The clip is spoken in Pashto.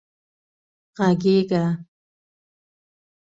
غږېږه